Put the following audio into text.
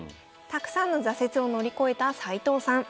たくさんの挫折を乗り越えた齊藤さん。